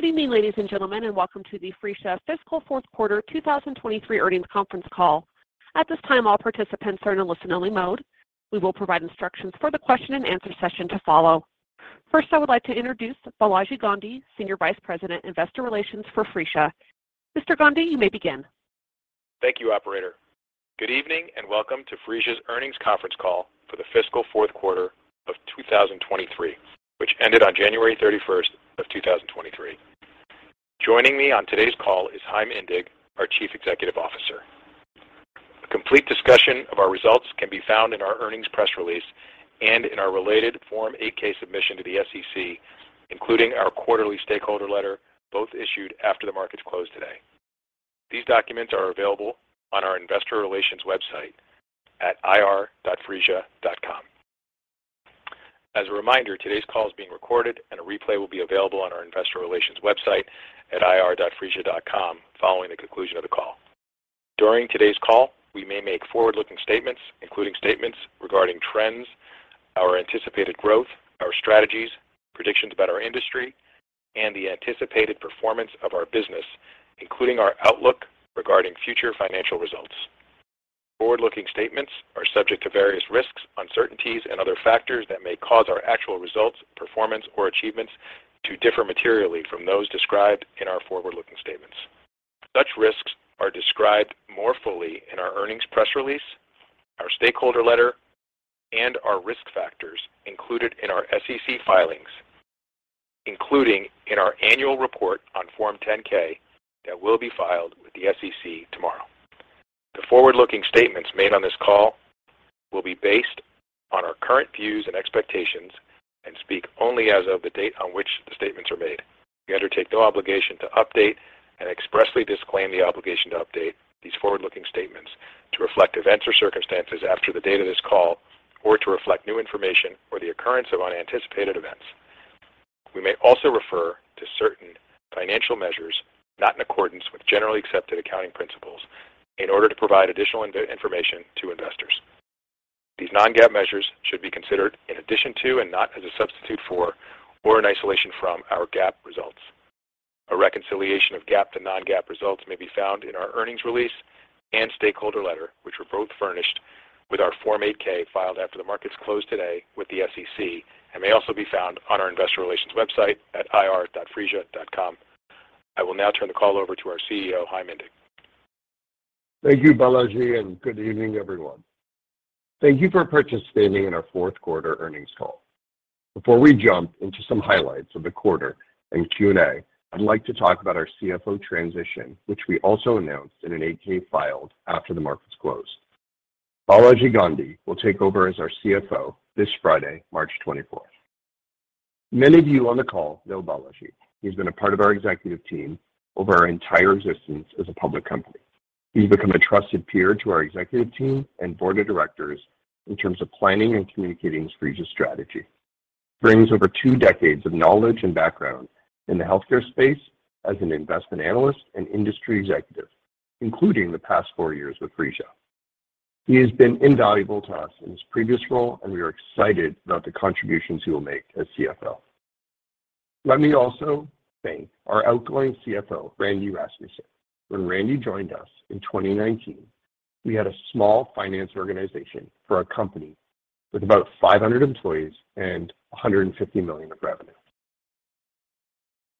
Good evening, ladies and gentlemen, welcome to the Phreesia fiscal fourth quarter 2023 earnings conference call. At this time, all participants are in listen-only mode. We will provide instructions for the question-and-answer session to follow. First, I would like to introduce Balaji Gandhi, Senior Vice President, Investor Relations for Phreesia. Mr. Gandhi, you may begin. Thank you, operator. Good evening, and welcome to Phreesia's earnings conference call for the fiscal fourth quarter of 2023, which ended on January 31st of 2023. Joining me on today's call is Chaim Indig, our Chief Executive Officer. A complete discussion of our results can be found in our earnings press release and in our related Form 8-K submission to the SEC, including our quarterly stakeholder letter, both issued after the markets closed today. These documents are available on our investor relations website at ir.phreesia.com. As a reminder, today's call is being recorded and a replay will be available on our investor relations website at ir.phreesia.com following the conclusion of the call. During today's call, we may make forward-looking statements, including statements regarding trends, our anticipated growth, our strategies, predictions about our industry, and the anticipated performance of our business, including our outlook regarding future financial results. Forward-looking statements are subject to various risks, uncertainties, and other factors that may cause our actual results, performance, or achievements to differ materially from those described in our forward-looking statements. Such risks are described more fully in our earnings press release, our stakeholder letter, and our risk factors included in our SEC filings, including in our annual report on Form 10-K that will be filed with the SEC tomorrow. The forward-looking statements made on this call will be based on our current views and expectations and speak only as of the date on which the statements are made. We undertake no obligation to update and expressly disclaim the obligation to update these forward-looking statements to reflect events or circumstances after the date of this call or to reflect new information or the occurrence of unanticipated events. We may also refer to certain financial measures not in accordance with generally accepted accounting principles in order to provide additional information to investors. These non-GAAP measures should be considered in addition to and not as a substitute for or in isolation from our GAAP results. A reconciliation of GAAP to non-GAAP results may be found in our earnings release and stakeholder letter, which were both furnished with our Form 8-K filed after the markets closed today with the SEC and may also be found on our investor relations website at ir.phreesia.com. I will now turn the call over to our CEO, Chaim Indig. Thank you, Balaji, and good evening, everyone. Thank you for participating in our fourth quarter earnings call. Before we jump into some highlights of the quarter and Q&A, I'd like to talk about our CFO transition, which we also announced in an 8-K filed after the markets closed. Balaji Gandhi will take over as our CFO this Friday, March 24th. Many of you on the call know Balaji. He's been a part of our executive team over our entire existence as a public company. He's become a trusted peer to our executive team and board of directors in terms of planning and communicating Phreesia's strategy. He brings over two decades of knowledge and background in the healthcare space as an investment analyst and industry executive, including the past four years with Phreesia. He has been invaluable to us in his previous role, and we are excited about the contributions he will make as CFO. Let me also thank our outgoing CFO, Randy Rasmussen. When Randy joined us in 2019, we had a small finance organization for a company with about 500 employees and $150 million of revenue.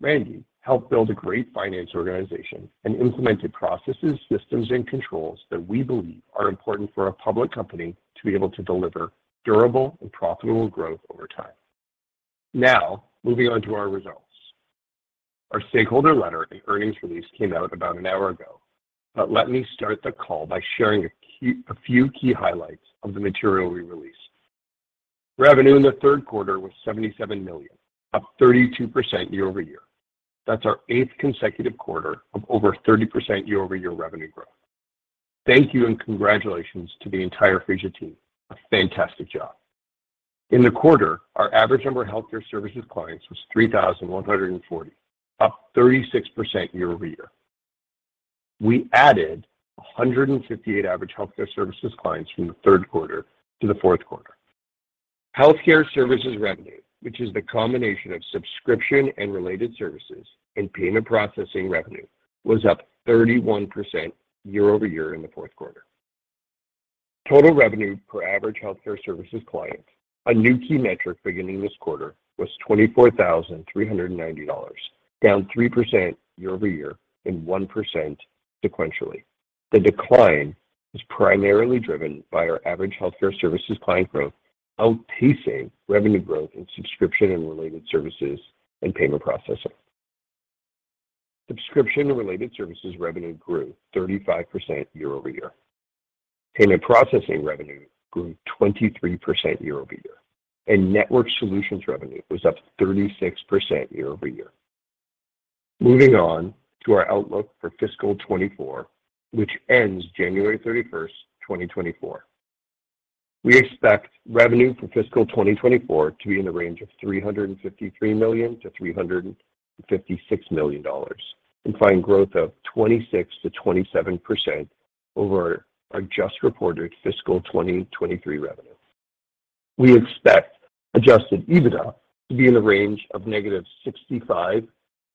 Randy helped build a great finance organization and implemented processes, systems, and controls that we believe are important for a public company to be able to deliver durable and profitable growth over time. Now, moving on to our results. Our stakeholder letter and earnings release came out about an hour ago, but let me start the call by sharing a few key highlights of the material we released. Revenue in the third quarter was $77 million, up 32% year-over-year. That's our eighth consecutive quarter of over 30% year-over-year revenue growth. Thank you and congratulations to the entire Phreesia team. A fantastic job. In the quarter, our average number of healthcare services clients was 3,140, up 36% year-over-year. We added 158 average healthcare services clients from the third quarter to the fourth quarter. Healthcare services revenue, which is the combination of Subscription and related services and Payment processing revenue, was up 31% year-over-year in the fourth quarter. Total revenue per average healthcare services client, a new key metric beginning this quarter, was $24,390, down 3% year-over-year and 1% sequentially. The decline is primarily driven by our average healthcare services client growth outpacing revenue growth in Subscription and related services and Payment processing. Subscription and related services revenue grew 35% year-over-year. Payment processing revenue grew 23% year-over-year, and Network solutions revenue was up 36% year-over-year. Moving on to our outlook for fiscal 2024, which ends January 31st, 2024. We expect revenue for fiscal 2024 to be in the range of $353 million-$356 million, implying growth of 26%-27% over our just reported fiscal 2023 revenue. We expect adjusted EBITDA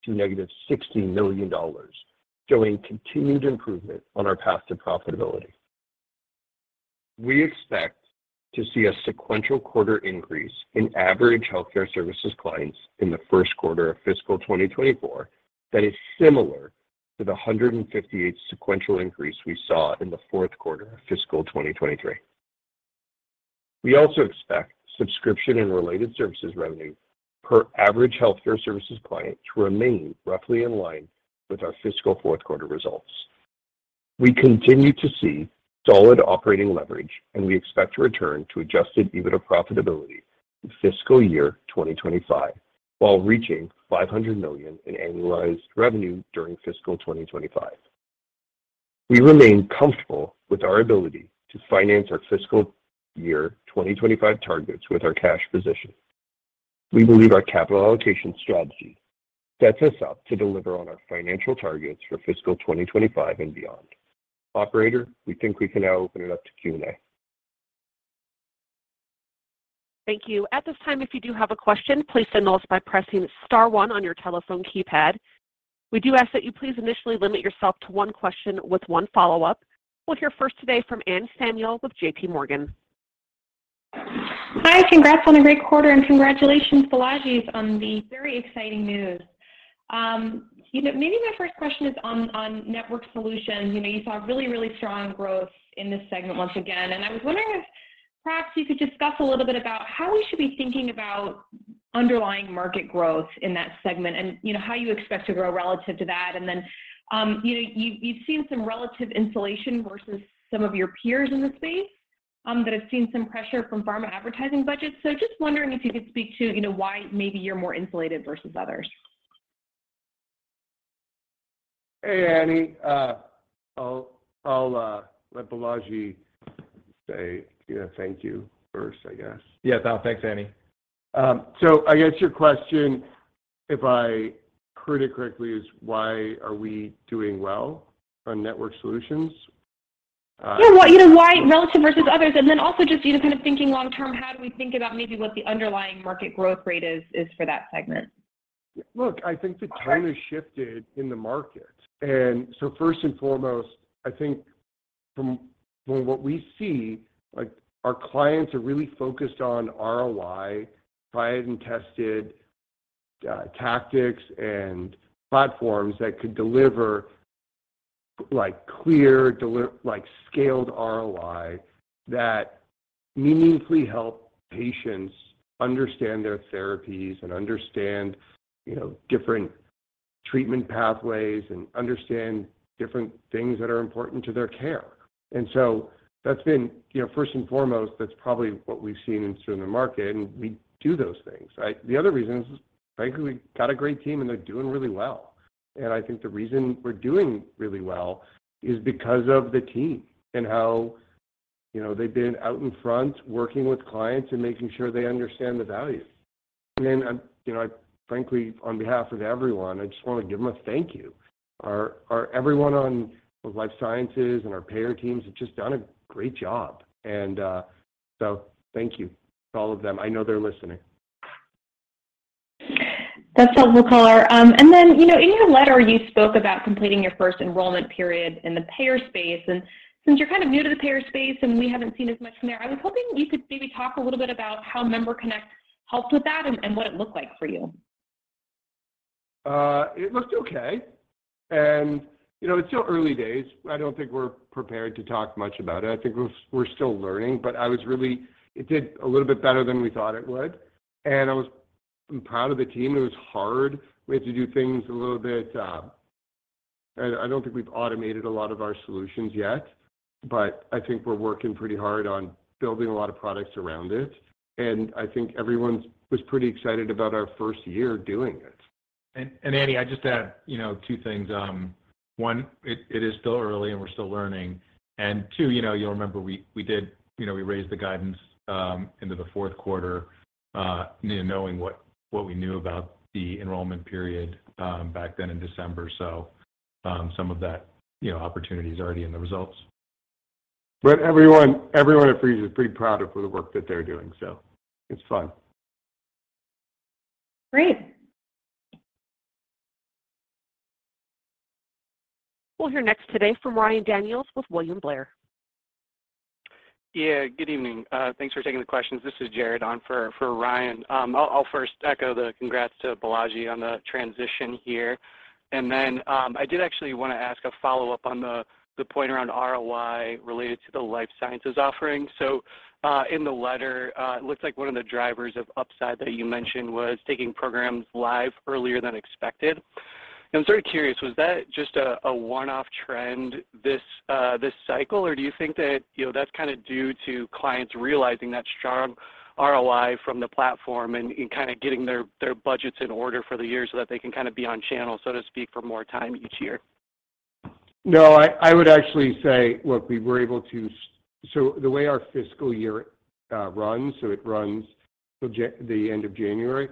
to be in the range of -$65 million to -$60 million, showing continued improvement on our path to profitability. We expect to see a sequential quarter increase in average healthcare services clients in the first quarter of fiscal 2024 that is similar to the 158 sequential increase we saw in the fourth quarter of fiscal 2023. We also expect subscription and related services revenue per average healthcare services client to remain roughly in line with our fiscal fourth quarter results. We continue to see solid operating leverage. We expect to return to adjusted EBITDA profitability in fiscal year 2025, while reaching $500 million in annualized revenue during fiscal 2025. We remain comfortable with our ability to finance our fiscal year 2025 targets with our cash position. We believe our capital allocation strategy sets us up to deliver on our financial targets for fiscal 2025 and beyond. Operator, we think we can now open it up to Q&A. Thank you. At this time, if you do have a question, please send those by pressing star one on your telephone keypad. We do ask that you please initially limit yourself to one question with one follow-up. We'll hear first today from Anne Samuel with J.P. Morgan. Hi, congrats on a great quarter. Congratulations, Balaji, on the very exciting news. You know, maybe my first question is on Network solutions. You know, you saw really strong growth in this segment once again, I was wondering if perhaps you could discuss a little bit about how we should be thinking about underlying market growth in that segment and, you know, how you expect to grow relative to that. Then, you know, you've seen some relative insulation versus some of your peers in the space that have seen some pressure from pharma advertising budgets. Just wondering if you could speak to, you know, why maybe you're more insulated versus others? Hey, Annie. I'll let Balaji say, you know, thank you first, I guess. Yes. Thanks, Annie. I guess your question, if I heard it correctly, is why are we doing well on Network Solutions? Yeah. Why, you know, why relative versus others? Also just, you know, kind of thinking long term, how do we think about maybe what the underlying market growth rate is for that segment? Look, I think the tone has shifted in the market. First and foremost, I think from what we see, like our clients are really focused on ROI, tried and tested tactics and platforms that could deliver like clear scaled ROI that meaningfully help patients understand their therapies and understand, you know, different treatment pathways and understand different things that are important to their care. That's been, you know, first and foremost, that's probably what we've seen in, through the market, and we do those things, right? The other reason is, frankly, we've got a great team, and they're doing really well. I think the reason we're doing really well is because of the team and how, you know, they've been out in front working with clients and making sure they understand the value. You know, frankly, on behalf of everyone, I just wanna give them a thank you. Everyone on life scientist and our payer teams have just done a great job. Thank you to all of them. I know they're listening. That's helpful color. Then, you know, in your letter, you spoke about completing your first enrollment period in the payer space. Since you're kind of new to the payer space and we haven't seen as much from there, I was hoping you could maybe talk a little bit about how MemberConnect helped with that and what it looked like for you. It looked okay. You know, it's still early days. I don't think we're prepared to talk much about it. I think we're still learning. I was really, it did a little bit better than we thought it would. I'm proud of the team. It was hard. We had to do things a little bit. I don't think we've automated a lot of our solutions yet, but I think we're working pretty hard on building a lot of products around it. I think everyone's was pretty excited about our first year doing it. Annie, I just add, you know, two things. one, it is still early and we're still learning. Two, you'll remember we did, you know, we raised the guidance into the fourth quarter, you know, knowing what we knew about the enrollment period back then in December. Some of that, you know, opportunity is already in the results. Everyone at Phreesia is pretty proud of for the work that they're doing. It's fun. Great. We'll hear next today from Ryan Daniels with William Blair. Yeah, good evening. thanks for taking the questions. This is Jared on for Ryan. I'll first echo the congrats to Balaji on the transition here. I did actually wanna ask a follow-up on the point around ROI related to the life sciences offering. In the letter, it looks like one of the drivers of upside that you mentioned was taking programs live earlier than expected. I'm sort of curious, was that just a one-off trend this cycle? Do you think that, you know, that's kinda due to clients realizing that strong ROI from the platform and kinda getting their budgets in order for the year so that they can kinda be on channel, so to speak, for more time each year? No, I would actually say, look, we were able to So the way our fiscal year runs, it runs till the end of January.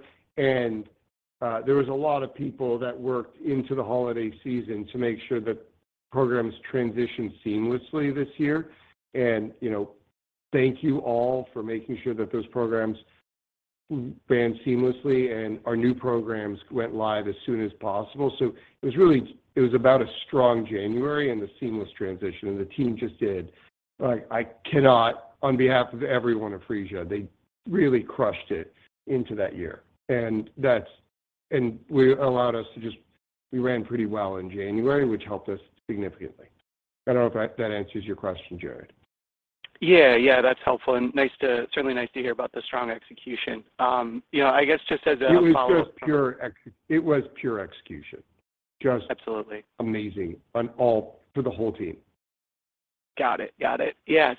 There was a lot of people that worked into the holiday season to make sure that programs transitioned seamlessly this year, and, you know, thank you all for making sure that those programs ran seamlessly, and our new programs went live as soon as possible. It was really about a strong January and the seamless transition, and the team just did. Like, I cannot, on behalf of everyone at Phreesia, they really crushed it into that year. That's and allowed us to we ran pretty well in January, which helped us significantly. I don't know if that answers your question, Jared. Yeah. Yeah, that's helpful. Certainly nice to hear about the strong execution. you know, I guess just as a follow-up. It was just pure execution. Absolutely. Amazing on all for the whole team. Got it. Got it. Yeah.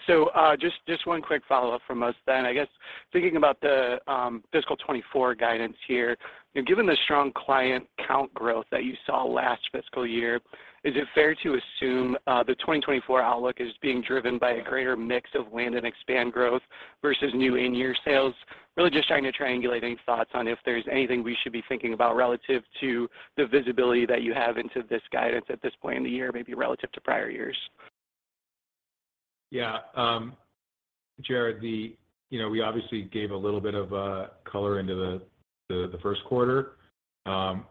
Just one quick follow-up from us then. I guess thinking about the fiscal 2024 guidance here, you know, given the strong client count growth that you saw last fiscal year, is it fair to assume the 2024 outlook is being driven by a greater mix of land and expand growth versus new in-year sales? Really just trying to triangulate any thoughts on if there's anything we should be thinking about relative to the visibility that you have into this guidance at this point in the year, maybe relative to prior years. Yeah. Jared, you know, we obviously gave a little bit of color into the first quarter,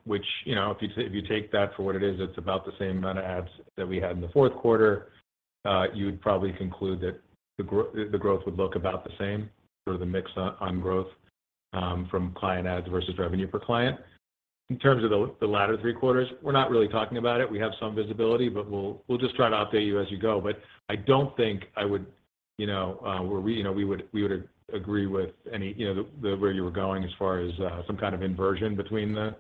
which, you know, if you take that for what it is, it's about the same amount of adds that we had in the fourth quarter. You would probably conclude that the growth would look about the same for the mix on growth, from client adds versus revenue per client. In terms of the latter three quarters, we're not really talking about it. We have some visibility, but we'll just try to update you as you go. I don't think I would, you know, where we, you know, we would agree with any, you know, the where you were going as far as some kind of inversion between the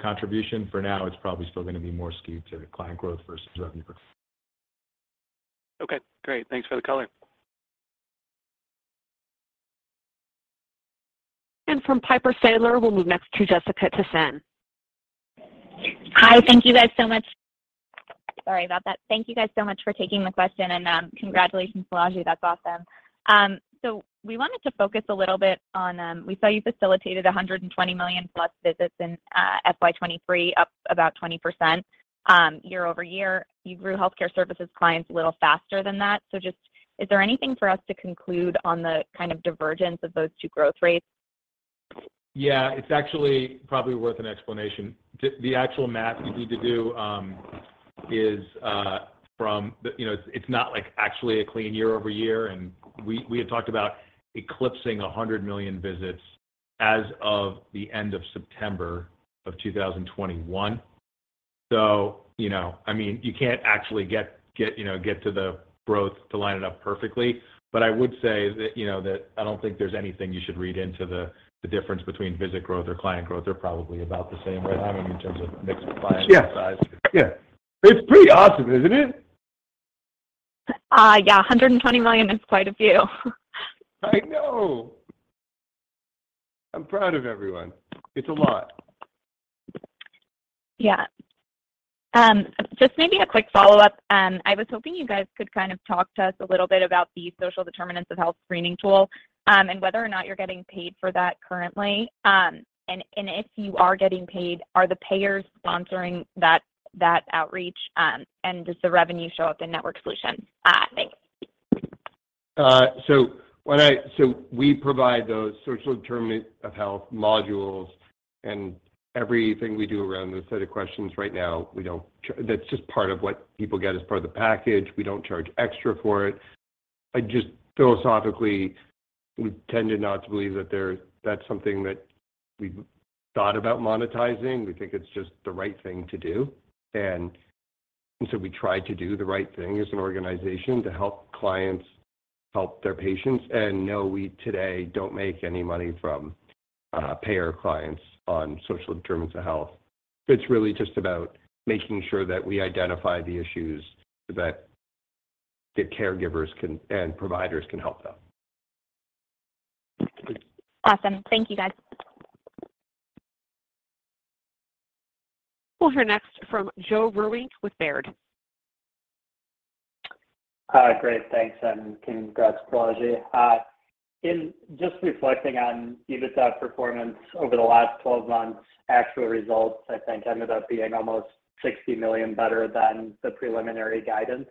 contribution. For now, it's probably still gonna be more skewed to client growth versus revenue growth. Okay, great. Thanks for the color. From Piper Sandler, we'll move next to Jessica Tassan. Hi. Thank you guys so much. Sorry about that. Thank you guys so much for taking the question. Congratulations, Balaji. That's awesome. We wanted to focus a little bit on, we saw you facilitated 120 million plus visits in FY 2023, up about 20% year-over-year. You grew healthcare services clients a little faster than that. Just is there anything for us to conclude on the kind of divergence of those two growth rates? Yeah. It's actually probably worth an explanation. The actual math you need to do is from the. You know, it's not like actually a clean year-over-year. We had talked about eclipsing 100 million visits as of the end of September 2021. You know, I mean, you can't actually get, you know, get to the growth to line it up perfectly. I would say that, you know, that I don't think there's anything you should read into the difference between visit growth or client growth. They're probably about the same way, I mean, in terms of mix of clients size. Yeah. Yeah. It's pretty awesome, isn't it? Yeah. $120 million is quite a few. I know. I'm proud of everyone. It's a lot. Yeah. Just maybe a quick follow-up. I was hoping you guys could kind of talk to us a little bit about the social determinants of health screening tool, and whether or not you're getting paid for that currently. If you are getting paid, are the payers sponsoring that outreach? Does the revenue show up in Network Solutions? Thanks. We provide those social determinants of health modules, and everything we do around those set of questions right now, we don't that's just part of what people get as part of the package. We don't charge extra for it. Just philosophically, we tend to not to believe that that's something that we've thought about monetizing. We think it's just the right thing to do. We try to do the right thing as an organization to help clients help their patients. No, we today don't make any money from payer clients on social determinants of health. It's really just about making sure that we identify the issues that the caregivers can and providers can help them. Awesome. Thank you, guys. We'll hear next from Joe Vruwink with Baird. Great. Thanks, congrats, Balaji. In just reflecting on EBITDA performance over the last 12 months, actual results, I think, ended up being almost $60 million better than the preliminary guidance.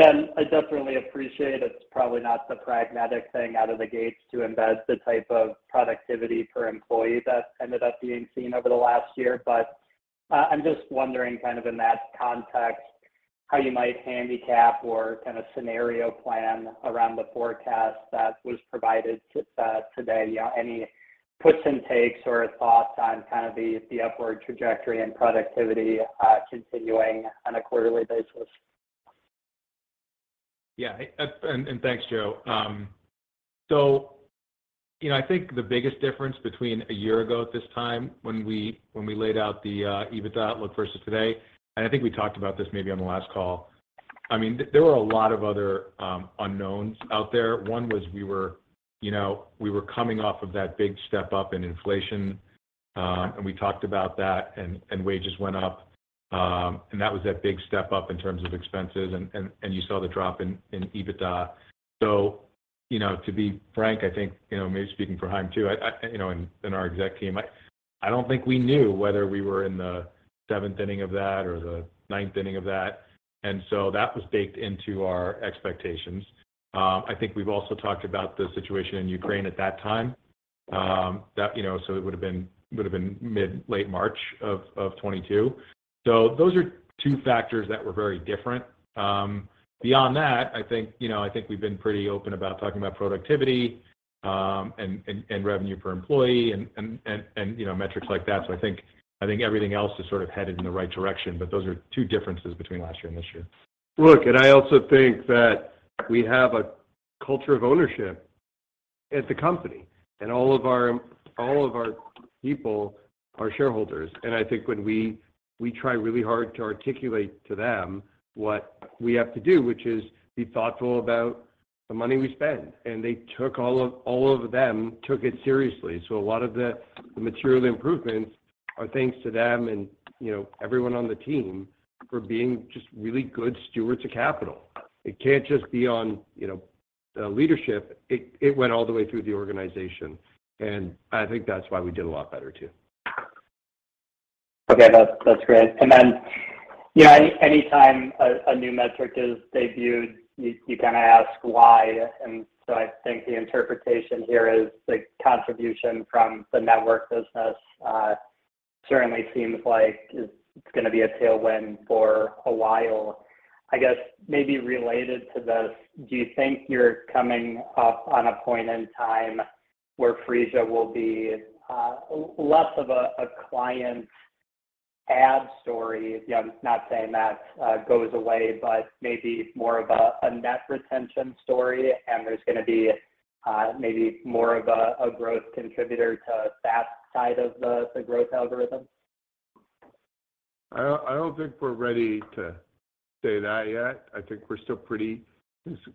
I definitely appreciate it's probably not the pragmatic thing out of the gates to invest the type of productivity per employee that ended up being seen over the last year. I'm just wondering kind of in that context, how you might handicap or kind of scenario plan around the forecast that was provided today, you know, any puts and takes or thoughts on kind of the upward trajectory and productivity, continuing on a quarterly basis. Yeah. And thanks, Joe. You know, I think the biggest difference between a year ago at this time when we laid out the EBITDA outlook versus today, and I think we talked about this maybe on the last call. I mean, there were a lot of other unknowns out there. One was we were, you know, we were coming off of that big step-up in inflation, and we talked about that, and wages went up. And that was that big step up in terms of expenses, and you saw the drop in EBITDA. You know, to be frank, I think, you know, maybe speaking for Chaim too, I, you know, and our exec team, I don't think we knew whether we were in the 7th inning of that or the 9th inning of that. That was baked into our expectations. I think we've also talked about the situation in Ukraine at that time, that, you know, it would've been mid, late March of 2022. Those are two factors that were very different. Beyond that, I think, you know, I think we've been pretty open about talking about productivity, and revenue per employee and, you know, metrics like that. I think everything else is sort of headed in the right direction, but those are two differences between last year and this year. I also think that we have a culture of ownership at the company, and all of our people are shareholders. I think when we try really hard to articulate to them what we have to do, which is be thoughtful about the money we spend, and they took all of them took it seriously. A lot of the material improvements are thanks to them and, you know, everyone on the team for being just really good stewards of capital. It can't just be on, you know, leadership. It went all the way through the organization, and I think that's why we did a lot better, too. Okay. That's great. Then, you know, anytime a new metric is debuted, you kinda ask why. So I think the interpretation here is the contribution from the Network business certainly seems like it's gonna be a tailwind for a while. I guess maybe related to this, do you think you're coming up on a point in time where Phreesia will be less of a client ad story? You know, I'm not saying that goes away, but maybe more of a net retention story, and there's gonna be maybe more of a growth contributor to that side of the growth algorithm? I don't think we're ready to say that yet.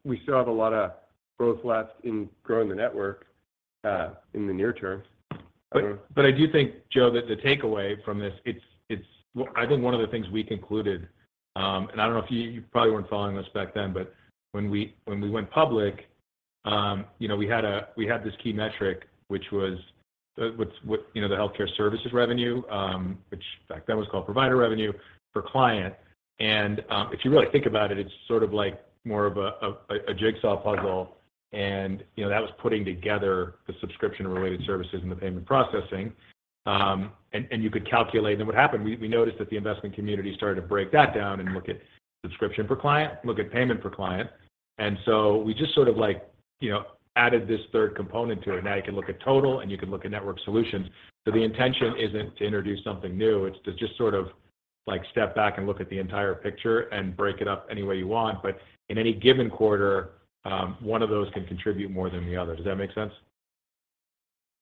We still have a lot of growth left in growing the network in the near term. I do think, Joe, that the takeaway from this. Well, I think one of the things we concluded, and I don't know if you probably weren't following this back then, but when we went public, you know, we had this key metric, which was, you know, the healthcare services revenue, which back then was called provider revenue for client. If you really think about it is sort of like more of a jigsaw puzzle and, you know, that was putting together the Subscription and related services and the Payment processing. You could calculate. What happened, we noticed that the investment community started to break that down and look at subscription per client, look at payment per client. We just sort of like, you know, added this third component to it. Now you can look at total and you can look at Network Solutions. The intention isn't to introduce something new, it's to just sort of, like, step back and look at the entire picture and break it up any way you want. In any given quarter, one of those can contribute more than the other. Does that make sense?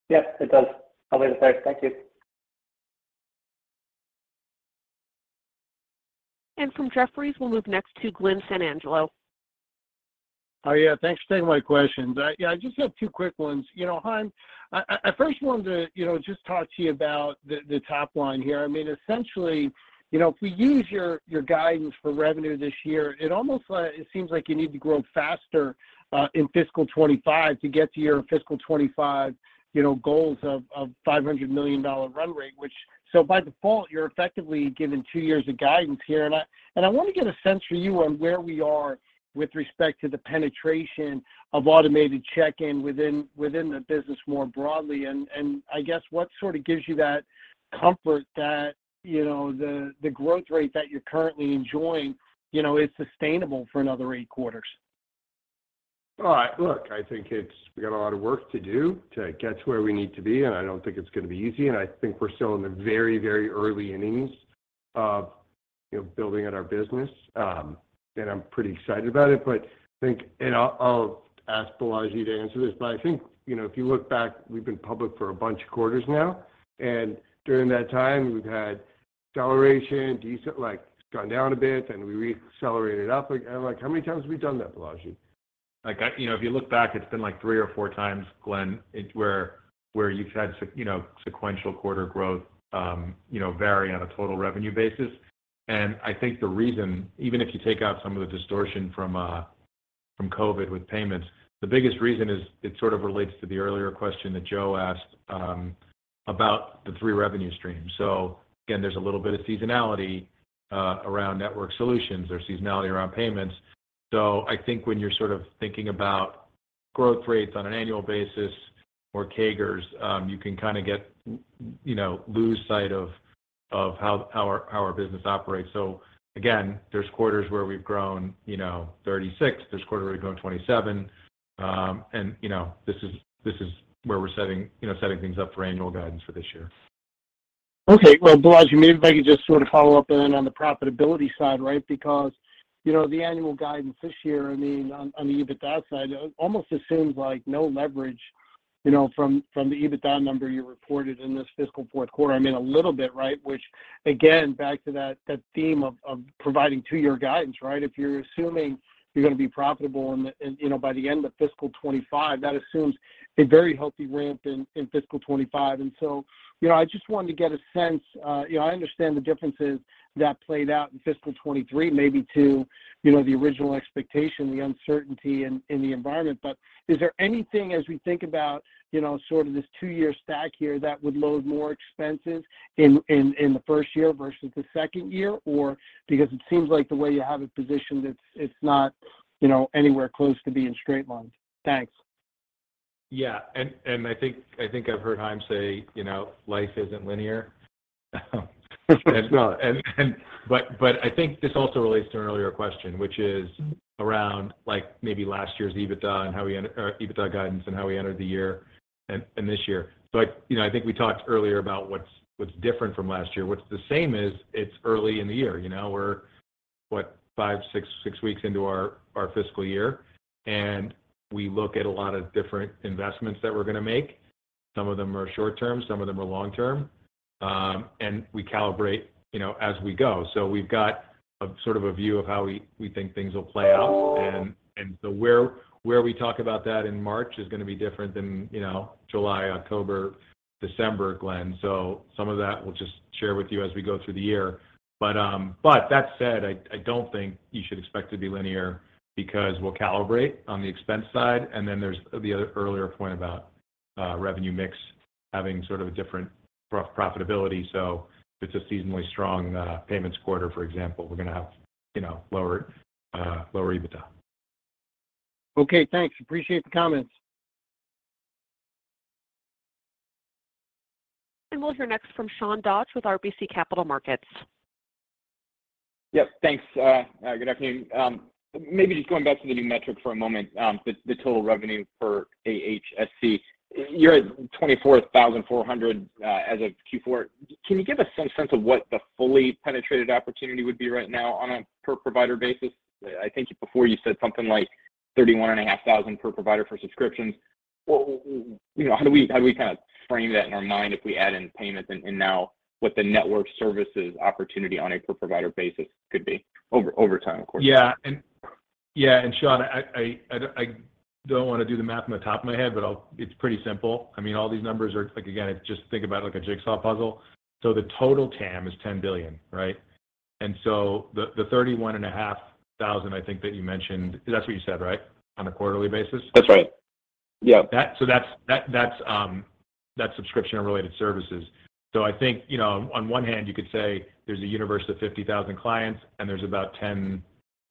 Yep, it does. I'll leave it there. Thank you. From Jefferies, we'll move next to Glen Santangelo. Yeah. Thanks for taking my questions. I just have two quick ones. You know, Chaim, I first wanted to, you know, just talk to you about the top line here. I mean, essentially, you know, if we use your guidance for revenue this year, it almost seems like you need to grow faster in fiscal 2025 to get to your fiscal 2025, you know, goals of $500 million run rate. By default, you're effectively given two years of guidance here. I wanna get a sense from you on where we are with respect to the penetration of automated check-in within the business more broadly. I guess what sort of gives you that comfort that, you know, the growth rate that you're currently enjoying, you know, is sustainable for another 8 quarters? All right. Look, I think it's we got a lot of work to do to get to where we need to be, I don't think it's gonna be easy, I think we're still in the very early innings of, you know, building out our business. I'm pretty excited about it. I think, I'll ask Balaji to answer this, I think, you know, if you look back, we've been public for a bunch of quarters now, during that time we've had acceleration, gone down a bit, we re-accelerated up. Like, how many times have we done that, Balaji? Like I, you know, if you look back, it's been like 3 or 4 times, Glenn, where you've had, you know, sequential quarter growth, you know, vary on a total revenue basis. I think the reason, even if you take out some of the distortion from COVID with Payments, the biggest reason is it sort of relates to the earlier question that Joe asked about the 3 revenue streams. Again, there's a little bit of seasonality around Network Solutions. There's seasonality around Payments. I think when you're sort of thinking about growth rates on an annual basis or CAGRs, you can kinda get, you know, lose sight of how our business operates. Again, there's quarters where we've grown, you know, 36%, there's quarter where we've grown 27%. You know, this is where we're setting, you know, setting things up for annual guidance for this year. Okay. Well, Balaji, maybe if I could just sort of follow up on the profitability side, right? You know, the annual guidance this year, I mean, on the EBITDA side, almost assumes like no leverage, you know, from the EBITDA number you reported in this fiscal fourth quarter, I mean a little bit, right? Again, back to that theme of providing two-year guidance, right? If you're assuming you're gonna be profitable in, you know, by the end of fiscal 2025, that assumes a very healthy ramp in fiscal 2025. You know, I just wanted to get a sense, you know, I understand the differences that played out in fiscal 2023 maybe to, you know, the original expectation, the uncertainty in the environment. Is there anything as we think about, you know, sort of this 2-year stack here that would load more expenses in the first year versus the second year? Or because it seems like the way you have it positioned, it's not, you know, anywhere close to being straight lines. Thanks. Yeah. I think I've heard Chaim say, you know, life isn't linear. It's not. I think this also relates to an earlier question, which is around like maybe last year's EBITDA or EBITDA guidance and how we entered the year and this year. You know, I think we talked earlier about what's different from last year. What's the same is it's early in the year, you know. We're what, five, six weeks into our fiscal year, and we look at a lot of different investments that we're gonna make. Some of them are short-term, some of them are long-term, and we calibrate, you know, as we go. We've got a sort of a view of how we think things will play out. So where we talk about that in March is gonna be different than, you know, July, October, December, Glen. Some of that we'll just share with you as we go through the year. That said, I don't think you should expect it to be linear because we'll calibrate on the expense side, and then there's the other earlier point about revenue mix having sort of a different profitability. If it's a seasonally strong payments quarter, for example, we're gonna have, you know, lower EBITDA. Okay, thanks. Appreciate the comments. We'll hear next from Sean Dodge with RBC Capital Markets. Yep. Thanks, good afternoon. Maybe just going back to the new metric for a moment, the total revenue for AHSC. You're at $24,400 as of Q4. Can you give us some sense of what the fully penetrated opportunity would be right now on a per provider basis? I think before you said something like $31 and a half thousand per provider for subscriptions. You know, how do we kind of frame that in our mind if we add in payments and now what the Network Services opportunity on a per provider basis could be over time, of course? Yeah, Sean, I don't wanna do the math in the top of my head, but it's pretty simple. I mean, all these numbers are like. Again, just think about it like a jigsaw puzzle. The total TAM is $10 billion, right? The 31.5 thousand I think that you mentioned, that's what you said, right? On a quarterly basis. That's right. Yep. That's subscription and related services. I think, you know, on one hand you could say there's a universe of 50,000 clients, and there's about $10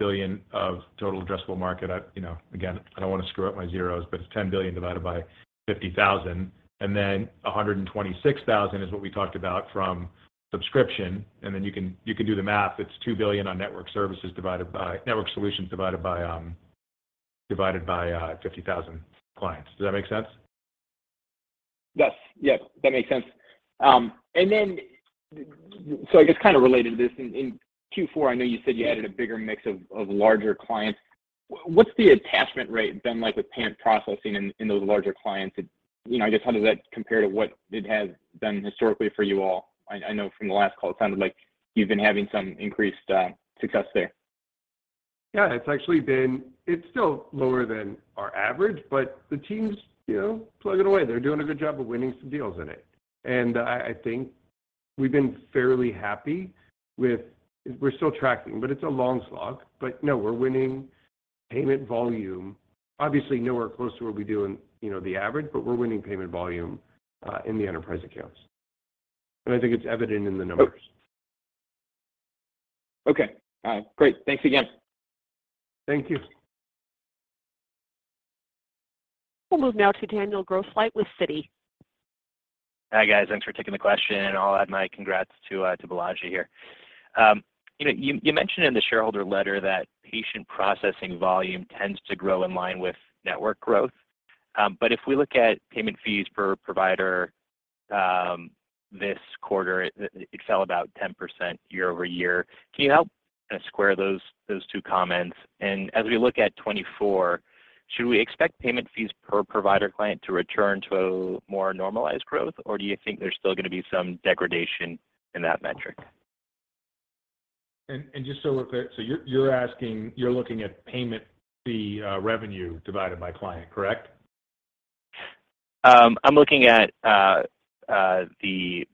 billion of total addressable market. I, you know, again, I don't wanna screw up my zeros, but it's $10 billion divided by 50,000, and then $126,000 is what we talked about from subscription. Then you can, you can do the math. It's $2 billion on Network Services divided by Network Solutions divided by divided by 50,000 clients. Does that make sense? Yes. Yep, that makes sense. I guess kind of related to this. In Q4, I know you said you added a bigger mix of larger clients. What's the attachment rate been like with Payment processing in those larger clients? You know, I guess how does that compare to what it has been historically for you all? I know from the last call it sounded like you've been having some increased success there. Yeah. It's still lower than our average. The team's, you know, plugging away. They're doing a good job of winning some deals in it. I think we've been fairly happy with, we're still tracking, but it's a long slog. No, we're winning payment volume, obviously nowhere close to what we do in, you know, the average, but we're winning payment volume in the enterprise accounts. I think it's evident in the numbers. Okay. All right. Great. Thanks again. Thank you. We'll move now to Daniel Grosslight with Citi. Hi, guys. Thanks for taking the question, and I'll add my congrats to to Balaji here. You know, you mentioned in the shareholder letter that patient processing volume tends to grow in line with network growth. If we look at payment fees per provider, this quarter, it fell about 10% year-over-year. Can you help kind of square those two comments? As we look at 2024, should we expect payment fees per provider client to return to a more normalized growth, or do you think there's still gonna be some degradation in that metric? Just so we're clear, so you're looking at payment fee, revenue divided by client, correct? I'm looking at the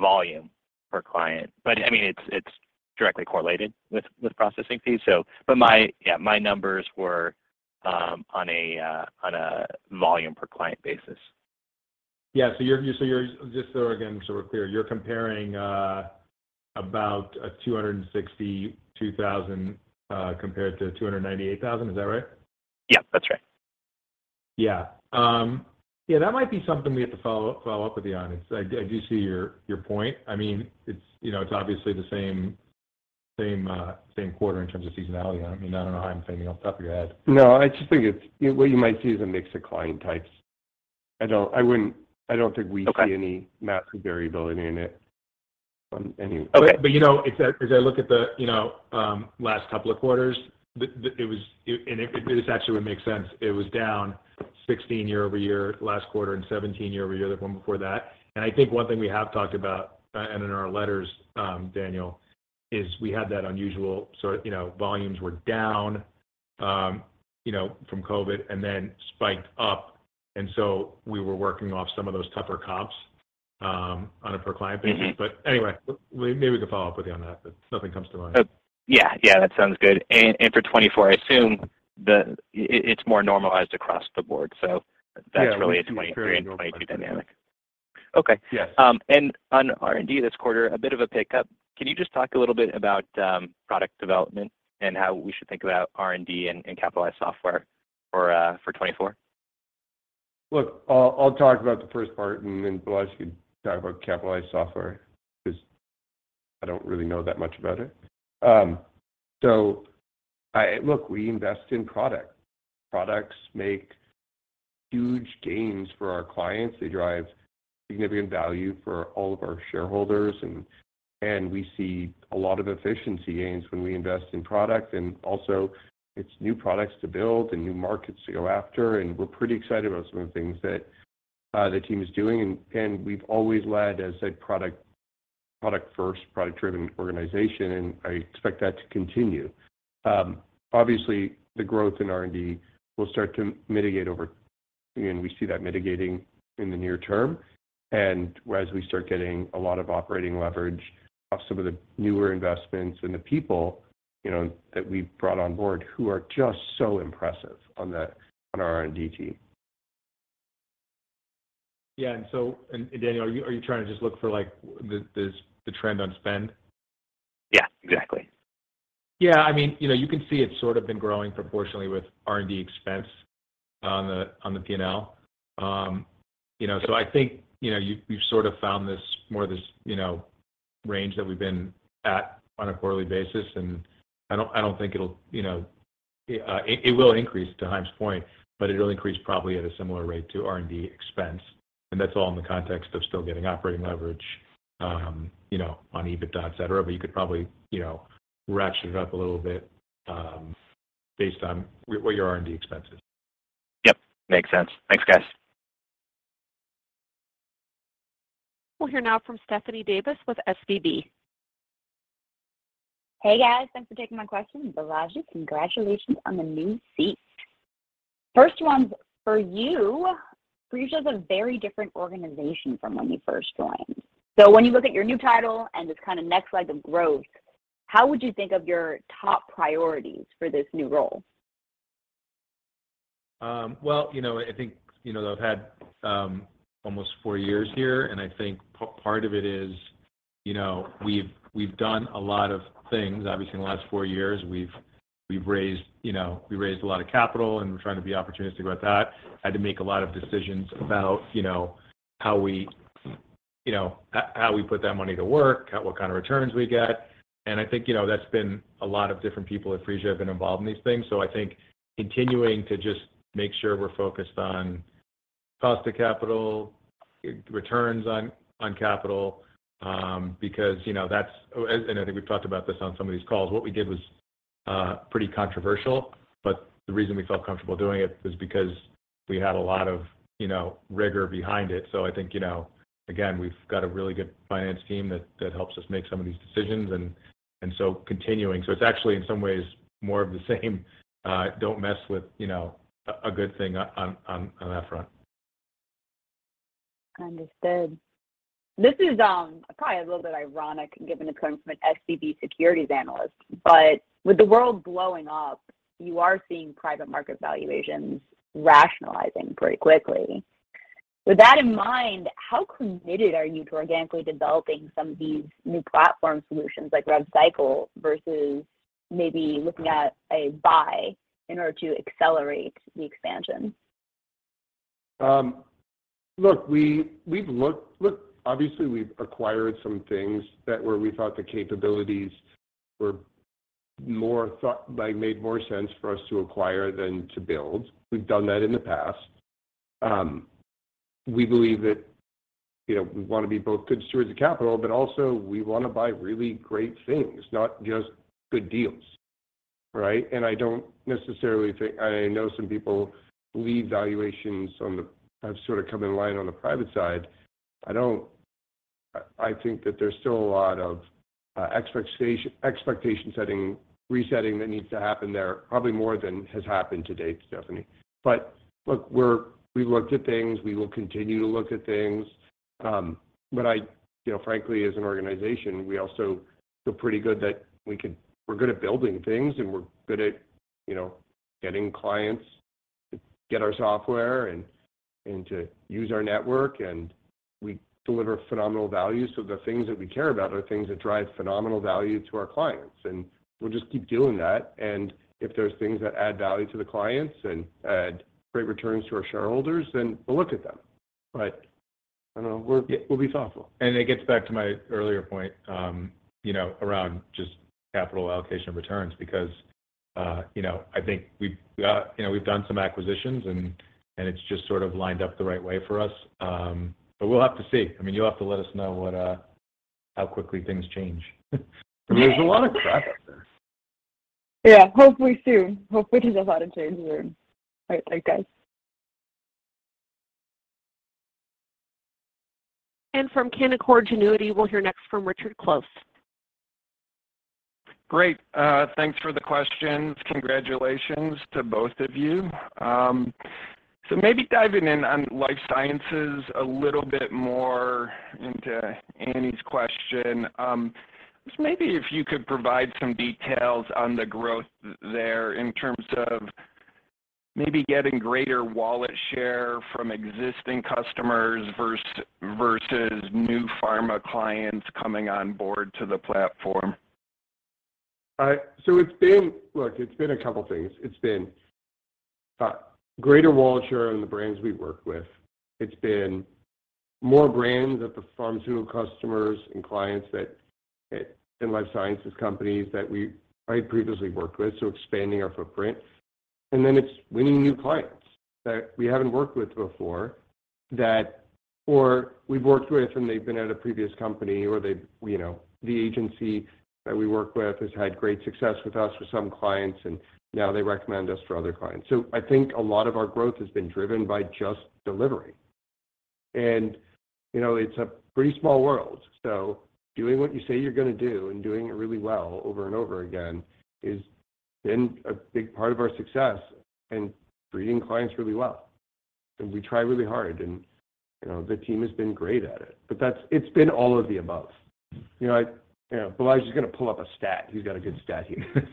volume per client. I mean, it's directly correlated with processing fees. My, yeah, my numbers were on a volume per client basis. Yeah. You're just so again, so we're clear, you're comparing about a 262 thousand compared to 298 thousand. Is that right? Yep, that's right. Yeah. Yeah, that might be something we have to follow up with you on. I do see your point. I mean, it's, you know, it's obviously the same quarter in terms of seasonality. I mean, I don't know, Chaim, if anything off the top of your head. No, I just think it's, what you might see is a mix of client types. Okay See any massive variability in it. Anyway. Okay. You know, as I, as I look at the, you know, last couple of quarters, the it was and it, this actually would make sense. It was down 16 year-over-year last quarter, and 17 year-over-year the one before that. I think one thing we have talked about, and in our letters, Daniel, is we had that unusual sort of, you know, volumes were down, you know, from COVID, and then spiked up. We were working off some of those tougher comps, on a per client basis. Mm-hmm. Anyway, maybe we can follow up with you on that, but nothing comes to mind. Yeah, yeah, that sounds good. For 2024, I assume it's more normalized across the board. That's really. Yeah, we should be fairly normalized by 2024.... a 2023 and 2022 dynamic. Okay. Yes. On R&D this quarter, a bit of a pickup. Can you just talk a little bit about product development and how we should think about R&D and capitalized software for 2024? Look, I'll talk about the first part, and then Balaji can talk about capitalized software because I don't really know that much about it. Look, we invest in product. Products make huge gains for our clients. They drive significant value for all of our shareholders, and we see a lot of efficiency gains when we invest in product. Also, it's new products to build and new markets to go after, and we're pretty excited about some of the things that the team is doing. We've always led, as a product-first, product-driven organization, and I expect that to continue. Obviously, the growth in R&D will start to mitigate over, you know, and we see that mitigating in the near term. Whereas we start getting a lot of operating leverage off some of the newer investments and the people, you know, that we've brought on board who are just so impressive on our R&D team. Yeah. Daniel, are you trying to just look for, like, the trend on spend? Yeah, exactly. Yeah. I mean, you know, you can see it's sort of been growing proportionately with R&D expense on the, on the P&L. you know, so I think, you know, you've sort of found this, more of this, you know, range that we've been at on a quarterly basis, and I don't, I don't think it'll. It, it will increase to Chaim's point, but it'll increase probably at a similar rate to R&D expense, and that's all in the context of still getting operating leverage, you know, on EBITDA, et cetera. You could probably, you know, ratchet it up a little bit, based on what your R&D expense is. Yep. Makes sense. Thanks, guys. We'll hear now from Stephanie Davis with Barclays. Hey, guys. Thanks for taking my question. Balaji, congratulations on the new seat. First one's for you. Phreesia is a very different organization from when you first joined. When you look at your new title and this kind of next leg of growth, how would you think of your top priorities for this new role? Well, you know, I think, you know, I've had, almost four years here, and I think part of it is, you know, we've done a lot of things, obviously, in the last four years. We've raised, you know, we raised a lot of capital, and we're trying to be opportunistic about that. Had to make a lot of decisions about, you know, how we, you know, how we put that money to work, what kind of returns we get. I think, you know, that's been a lot of different people at Phreesia have been involved in these things. I think continuing to just make sure we're focused on cost of capital, returns on capital, because, you know, I think we've talked about this on some of these calls. What we did was, pretty controversial, but the reason we felt comfortable doing it was because we had a lot of, you know, rigor behind it. I think, you know, again, we've got a really good finance team that helps us make some of these decisions and so continuing. It's actually, in some ways, more of the same, don't mess with, you know, a good thing on that front. Understood. This is, probably a little bit ironic given it's coming from an Barclays securities analyst, but with the world blowing up, you are seeing private market valuations rationalizing pretty quickly. With that in mind, how committed are you to organically developing some of these new platform solutions like RevCycle versus maybe looking at a buy in order to accelerate the expansion? We've looked. Obviously, we've acquired some things that where we thought the capabilities were like, made more sense for us to acquire than to build. We've done that in the past. We believe that, you know, we wanna be both good stewards of capital, but also we wanna buy really great things, not just good deals, right? I don't necessarily think. I know some people believe valuations have sort of come in line on the private side. I don't. I think that there's still a lot of expectation setting, resetting that needs to happen there, probably more than has happened to date, Stephanie. Look, we've looked at things. We will continue to look at things. I, you know, frankly, as an organization, we also feel pretty good that we're good at building things, and we're good at, you know, getting clients to get our software and to use our network, and we deliver phenomenal value. The things that we care about are things that drive phenomenal value to our clients, and we'll just keep doing that. If there's things that add value to the clients and add great returns to our shareholders, then we'll look at them. I don't know, we'll be thoughtful. It gets back to my earlier point, you know, around just capital allocation returns because, you know, I think. You know, we've done some acquisitions and it's just sort of lined up the right way for us. We'll have to see. I mean, you'll have to let us know what, how quickly things change. There's a lot of crap out there. Yeah. Hopefully soon. Hopefully there's a lot of change soon. All right. Thanks, guys. From Canaccord Genuity, we'll hear next from Richard Close. Great. Thanks for the questions. Congratulations to both of you. Maybe diving in on Life Sciences a little bit more into Annie's question, just maybe if you could provide some details on the growth there in terms of maybe getting greater wallet share from existing customers versus new pharma clients coming on board to the platform? Look, it's been a couple things. It's been greater wallet share on the brands we work with. It's been more brands of the pharmaceutical customers and clients that and life sciences companies that I previously worked with, expanding our footprint. It's winning new clients that we haven't worked with before that, or we've worked with and they've been at a previous company or they, you know, the agency that we work with has had great success with us with some clients, now they recommend us for other clients. I think a lot of our growth has been driven by just delivering. You know, it's a pretty small world. Doing what you say you're gonna do and doing it really well over and over again has been a big part of our success in treating clients really well. We try really hard and, you know, the team has been great at it. It's been all of the above. You know, Balaji's gonna pull up a stat. He's got a good stat here.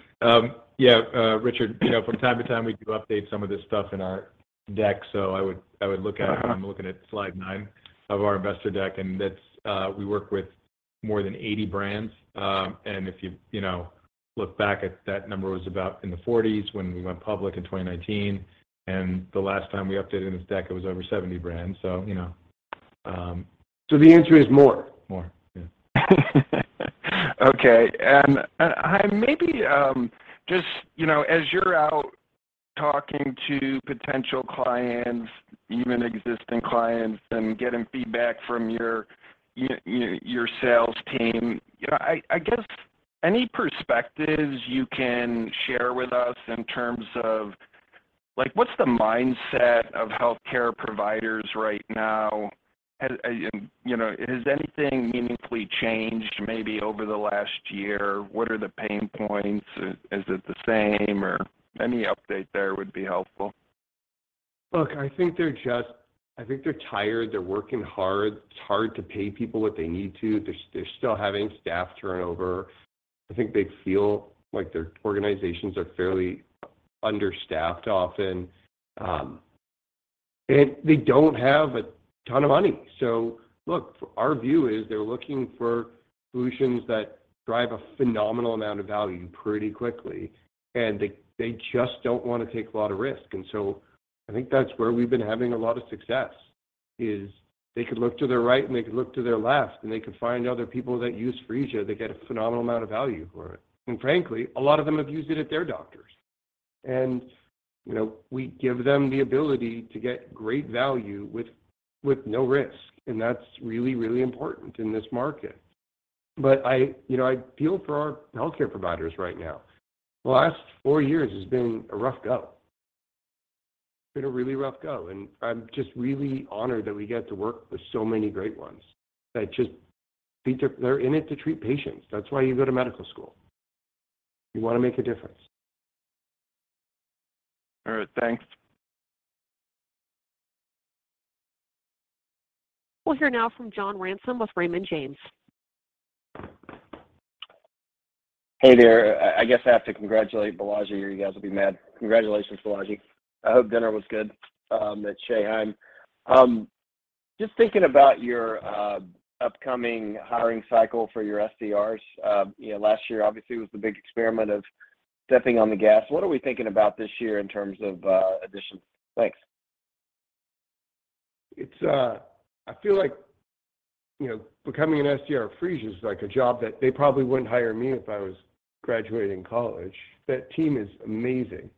Richard, you know, from time to time, we do update some of this stuff in our deck. I would, I would look at it. I'm looking at slide 9 of our investor deck, and that's, we work with more than 80 brands. If you know, look back at that number was about in the 40s when we went public in 2019. The last time we updated this deck, it was over 70 brands. You know. The answer is more. More, yeah. Okay. Maybe, just, you know, as you're out talking to potential clients, even existing clients, and getting feedback from your sales team, you know, I guess any perspectives you can share with us in terms of, like, what's the mindset of healthcare providers right now? Has, you know, has anything meaningfully changed maybe over the last year? What are the pain points? Is it the same or any update there would be helpful? Look, I think they're tired. They're working hard. It's hard to pay people what they need to. They're, they're still having staff turnover. I think they feel like their organizations are fairly understaffed often. And they don't have a ton of money. Look, our view is they're looking for solutions that drive a phenomenal amount of value pretty quickly, and they just don't wanna take a lot of risk. I think that's where we've been having a lot of success is they could look to their right, and they could look to their left, and they could find other people that use Phreesia. They get a phenomenal amount of value for it. Frankly, a lot of them have used it at their doctors. You know, we give them the ability to get great value with no risk. That's really, really important in this market. I, you know, I feel for our healthcare providers right now. The last four years has been a rough go. It's been a really rough go, and I'm just really honored that we get to work with so many great ones that just need to, they're in it to treat patients. That's why you go to medical school. You wanna make a difference. All right. Thanks. We'll hear now from John Ransom with Raymond James. Hey there. I guess I have to congratulate Balaji or you guys will be mad. Congratulations, Balaji. I hope dinner was good at [Chou'Heim]. Just thinking about your upcoming hiring cycle for your SDRs, you know, last year obviously was the big experiment of stepping on the gas. What are we thinking about this year in terms of additions? Thanks. It's, I feel like, you know, becoming an SDR at Phreesia is like a job that they probably wouldn't hire me if I was graduating college. That team is amazing,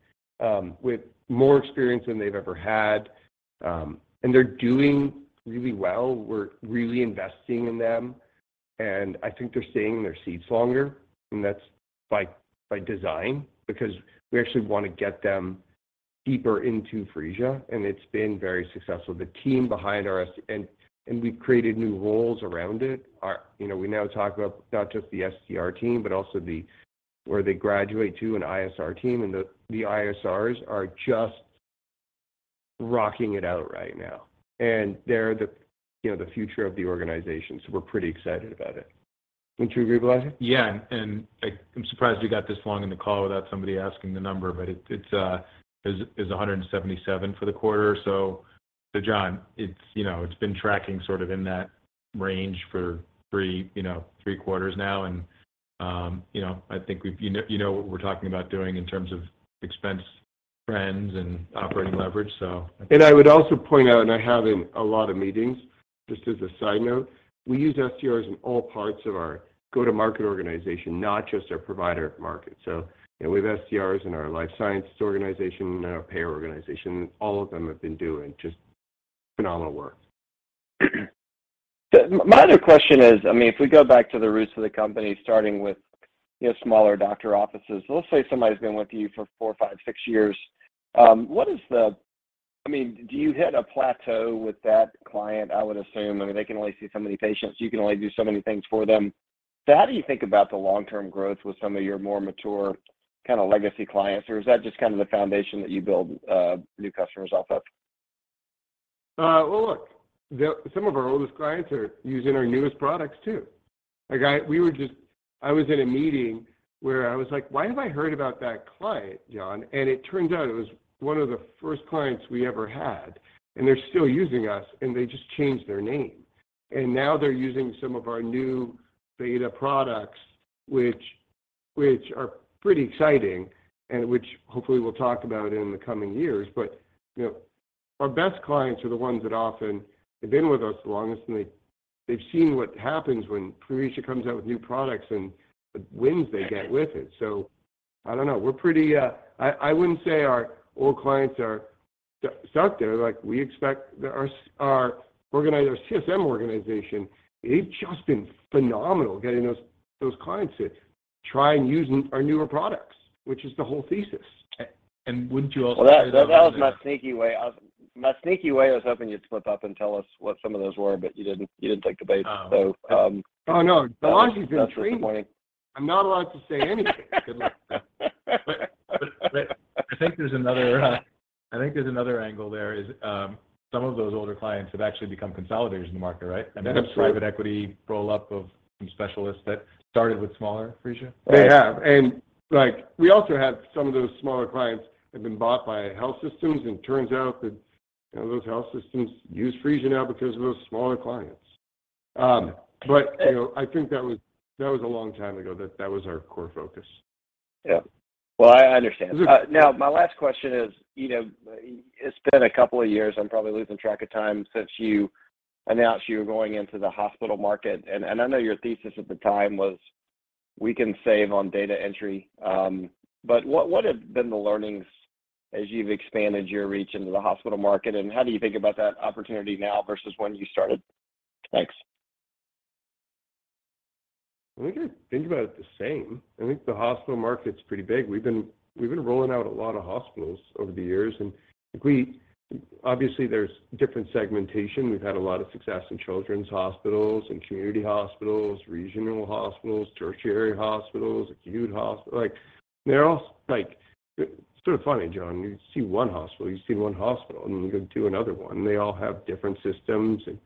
with more experience than they've ever had. They're doing really well. We're really investing in them, and I think they're staying in their seats longer. That's by design because we actually wanna get them deeper into Phreesia, and it's been very successful. The team behind our. We've created new roles around it. You know, we now talk about not just the SDR team, but also the where they graduate to an ISR team, and the ISRs are just rocking it out right now. They're the, you know, the future of the organization, so we're pretty excited about it. Wouldn't you agree, Balaji? Yeah. I'm surprised we got this long in the call without somebody asking the number, but it's 177 for the quarter. John, it's, you know, it's been tracking sort of in that range for 3, you know, 3 quarters now. You know, I think we've You know what we're talking about doing in terms of expenses and operating leverage. I would also point out, and I have in a lot of meetings, just as a side note, we use SDRs in all parts of our go-to-market organization, not just our provider market. You know, we have SDRs in our life sciences organization, in our payer organization. All of them have been doing just phenomenal work. My other question is, I mean, if we go back to the roots of the company, starting with, you know, smaller doctor offices. Let's say somebody's been with you for 4, 5, 6 years, I mean, do you hit a plateau with that client? I would assume, I mean, they can only see so many patients, you can only do so many things for them. How do you think about the long-term growth with some of your more mature kind of legacy clients? Or is that just kind of the foundation that you build new customers off of? Well, look, some of our oldest clients are using our newest products too. I was in a meeting where I was like, "Why have I heard about that client, John?" It turned out it was one of the first clients we ever had, and they're still using us, and they just changed their name. Now they're using some of our new beta products, which are pretty exciting and which hopefully we'll talk about in the coming years. You know, our best clients are the ones that often have been with us the longest, and they've seen what happens when Phreesia comes out with new products and the wins they get with it. I don't know. We're pretty. I wouldn't say our old clients are stuck there. We expect our CSM organization, they've just been phenomenal getting those clients to try and use our newer products, which is the whole thesis. Wouldn't you also say? Well, that was my sneaky way. I was hoping you'd slip up and tell us what some of those were, but you didn't take the bait. Oh. So, um- Oh, no. Balaji's been trained. I'm not allowed to say anything. I think there's another, I think there's another angle there is, some of those older clients have actually become consolidators in the market, right? That is true. I mean, private equity roll-up of some specialists that started with smaller Phreesia. They have. Like, we also had some of those smaller clients have been bought by health systems, and it turns out that, you know, those health systems use Phreesia now because of those smaller clients. You know, I think that was a long time ago that that was our core focus. Yeah. Well, I understand. Now, my last question is, you know, it's been a couple of years, I'm probably losing track of time, since you announced you were going into the hospital market. I know your thesis at the time was, we can save on data entry. What have been the learnings as you've expanded your reach into the hospital market, and how do you think about that opportunity now versus when you started? Thanks. We kind of think about it the same. I think the hospital market's pretty big. We've been rolling out a lot of hospitals over the years, Obviously, there's different segmentation. We've had a lot of success in children's hospitals and community hospitals, regional hospitals, tertiary hospitals, acute hospitals. Like, it's sort of funny, John. You see one hospital, you've seen one hospital, then you go to another one, they all have different systems, and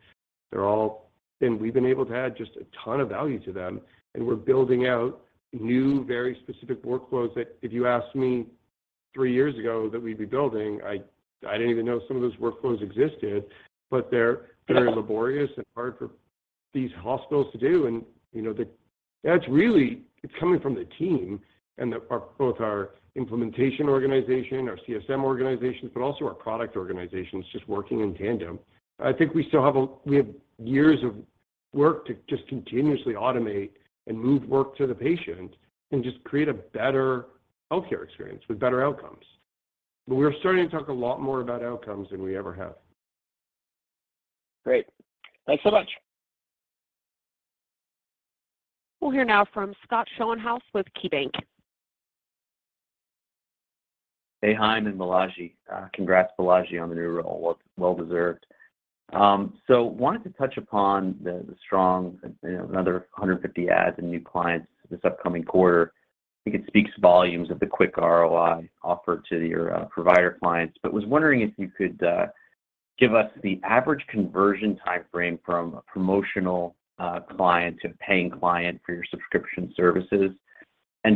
they're all... We've been able to add just a ton of value to them, and we're building out new, very specific workflows that if you asked me 3 years ago that we'd be building, I didn't even know some of those workflows existed. They're very laborious and hard for these hospitals to do. You know, that's really, it's coming from the team and both our implementation organization, our CSM organizations, but also our product organizations just working in tandem. I think we still have years of work to just continuously automate and move work to the patient and just create a better healthcare experience with better outcomes. We're starting to talk a lot more about outcomes than we ever have. Great. Thanks so much. We'll hear now from Scott Schoenhaus with KeyBanc. Hey, Chaim and Balaji. Congrats, Balaji, on the new role. Well, well deserved. Wanted to touch upon the strong, you know, another 150 adds in new clients this upcoming quarter. I think it speaks volumes of the quick ROI offered to your provider clients. Was wondering if you could give us the average conversion timeframe from a promotional client to paying client for your subscription services.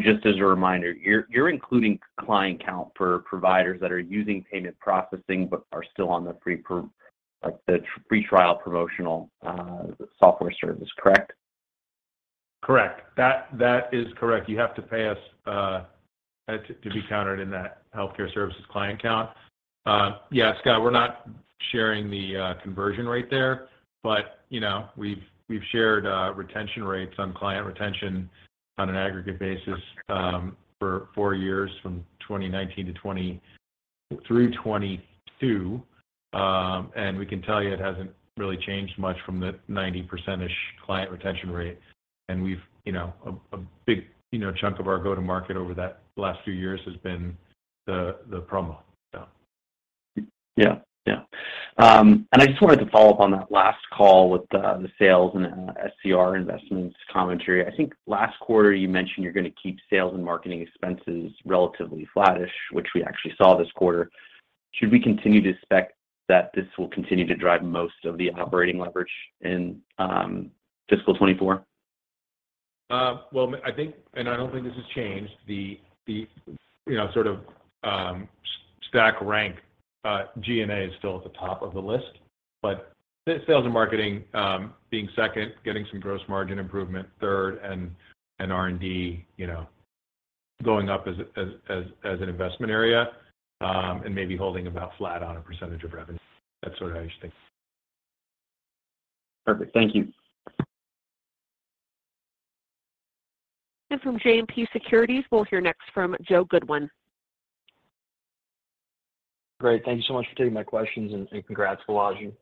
Just as a reminder, you're including client count for providers that are using payment processing but are still on the free trial promotional software service, correct? Correct. That is correct. You have to pay us to be counted in that healthcare services client count. Yeah, Scott, we're not sharing the conversion rate there, but, you know, we've shared retention rates on client retention on an aggregate basis for four years from 2019 through 2022. We can tell you it hasn't really changed much from the 90%-ish client retention rate. We've, you know, a big, you know, chunk of our go-to-market over that last few years has been the promo. Yeah. Yeah. I just wanted to follow up on that last call with the sales and SCR investments commentary. I think last quarter you mentioned you're gonna keep sales and marketing expenses relatively flattish, which we actually saw this quarter. Should we continue to expect that this will continue to drive most of the operating leverage in fiscal 2024? Well, I think, and I don't think this has changed, the, you know, sort of, stack rank, G&A is still at the top of the list. Sales and marketing being second, getting some gross margin improvement third, and R&D, you know, going up as an investment area, and maybe holding about flat on a % of revenue. That's sort of how I think. Perfect. Thank you. From JMP Securities, we'll hear next from Joe Goodwin. Great. Thank you so much for taking my questions, and congrats, Balaji,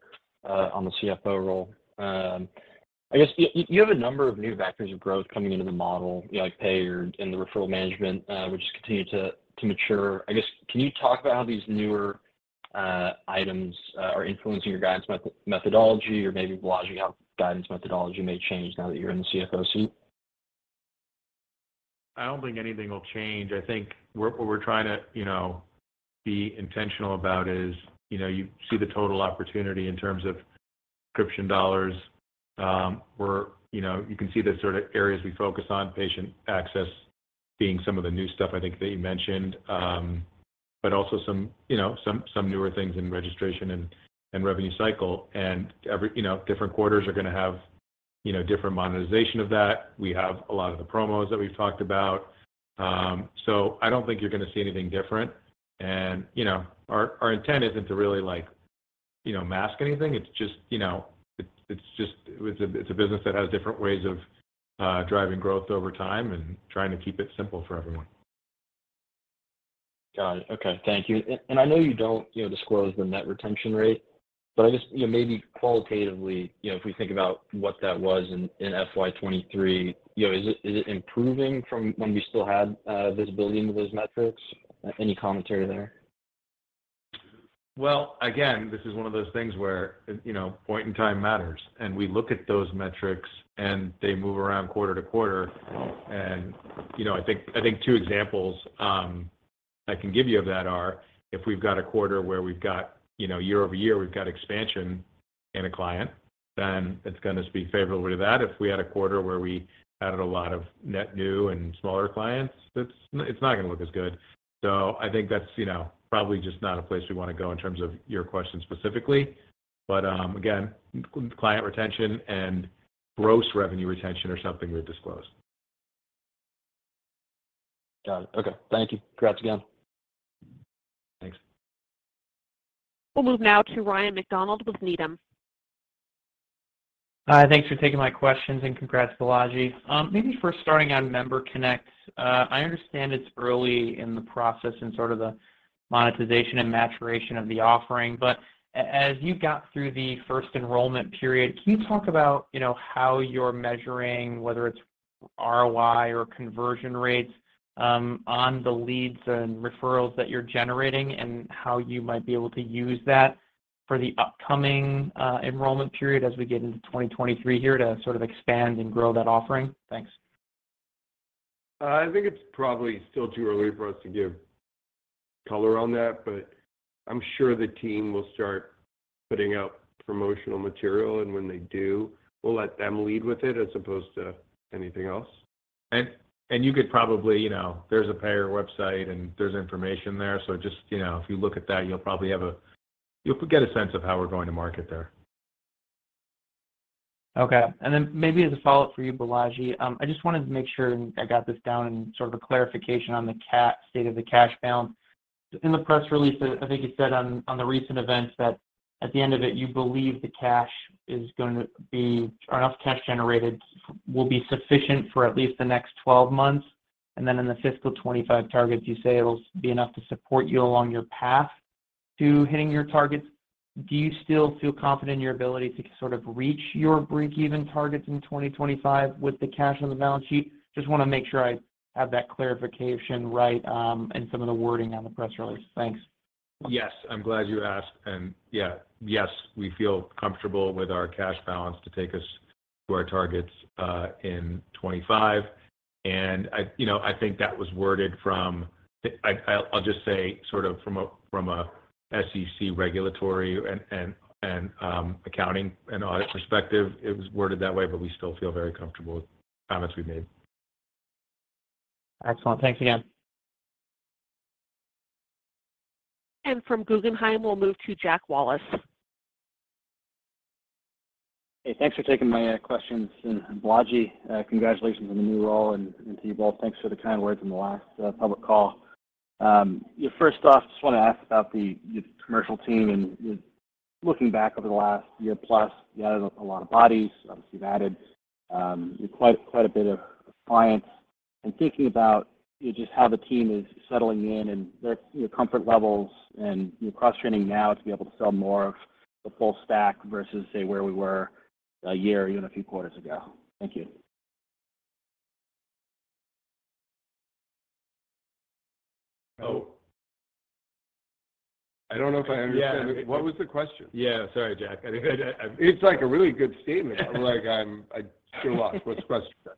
on the CFO role. I guess you have a number of new vectors of growth coming into the model, you know, like and the referral management, which continue to mature. I guess, can you talk about how these newer items are influencing your guidance methodology? Maybe, Balaji, how guidance methodology may change now that you're in the CFO seat? I don't think anything will change. I think what we're trying to, you know, be intentional about is, you know, you see the total opportunity in terms of subscription dollars, you know, you can see the sort of areas we focus on, patient access being some of the new stuff, I think, that you mentioned, but also some, you know, some newer things in registration and revenue cycle. Every, you know, different quarters are gonna have, you know, different monetization of that. We have a lot of the promos that we've talked about. I don't think you're gonna see anything different. Our, our intent isn't to really, like, you know, mask anything. It's just, you know, it's a business that has different ways of driving growth over time and trying to keep it simple for everyone. Got it. Okay. Thank you. I know you don't, you know, disclose the net retention rate, but I guess, you know, maybe qualitatively, you know, if we think about what that was in FY 2023, you know, is it improving from when we still had visibility into those metrics? Any commentary there? Well, again, this is one of those things where, you know, point in time matters. We look at those metrics, and they move around quarter-to-quarter. I think two examples I can give you of that are if we've got a quarter where we've got, you know, year-over-year, we've got expansion in a client, then it's gonna speak favorably to that. If we had a quarter where we added a lot of net new and smaller clients, that's it's not gonna look as good. I think that's, you know, probably just not a place we wanna go in terms of your question specifically. Again, client retention and gross revenue retention are something we've disclosed. Got it. Okay. Thank you. Congrats again. Thanks. We'll move now to Ryan MacDonald with Needham. Hi. Thanks for taking my questions, and congrats, Balaji. Maybe first starting on MemberConnect, I understand it's early in the process and sort of the monetization and maturation of the offering, but as you got through the first enrollment period, can you talk about, you know, how you're measuring whether it's ROI or conversion rates on the leads and referrals that you're generating and how you might be able to use that for the upcoming enrollment period as we get into 2023 here to sort of expand and grow that offering? Thanks. I think it's probably still too early for us to give color on that, but I'm sure the team will start putting out promotional material, and when they do, we'll let them lead with it as opposed to anything else. You could probably, you know, there's a payer website, and there's information there, so just, you know, if you look at that, you'll probably get a sense of how we're going to market there. Okay. Then maybe as a follow-up for you, Balaji, I just wanted to make sure, and I got this down in sort of a clarification on the state of the cash balance. In the press release, I think you said on the recent events that at the end of it, you believe enough cash generated will be sufficient for at least the next 12 months. Then in the fiscal 25 targets, you say it'll be enough to support you along your path to hitting your targets. Do you still feel confident in your ability to sort of reach your breakeven targets in 2025 with the cash on the balance sheet? Just wanna make sure I have that clarification right, and some of the wording on the press release. Thanks. Yes, I'm glad you asked. Yeah. Yes, we feel comfortable with our cash balance to take us to our targets, in 2025. I, you know, I think that was worded I'll just say sort of from a, from a SEC regulatory and accounting and audit perspective, it was worded that way, but we still feel very comfortable with the comments we made. Excellent. Thanks again. From Guggenheim, we'll move to Jack Wallace. Hey, thanks for taking my questions. Balaji, congratulations on the new role, and to you both, thanks for the kind words on the last public call. Yeah, first off, just wanna ask about the, your commercial team looking back over the last year-plus, you added a lot of bodies. Obviously, you've added, quite a bit of clients. Thinking about, you know, just how the team is settling in and their, you know, comfort levels and, you know, cross-training now to be able to sell more of the full stack versus, say, where we were a year or even a few quarters ago. Thank you. I don't know if I understand. Yeah. What was the question? Yeah. Sorry, Jack. It's like a really good statement. Like, I still lost. What's the question again?